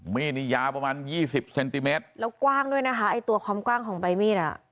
มีดนี่ยาวประมาณยี่สิบเซนติเมตรแล้วกว้างด้วยนะคะไอ้ตัวความกว้างของใบมีดอ่ะ